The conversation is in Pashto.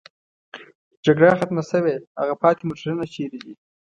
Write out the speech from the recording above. جګړه ختمه شوې، هغه پاتې موټرونه چېرې دي؟